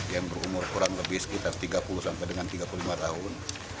yang berumur kurang lebih sekitar tiga puluh sampai dengan tiga puluh lima tahun